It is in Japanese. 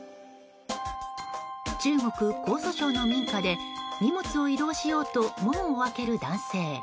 中国・江蘇省の民家で荷物を移動しようと門を開ける男性。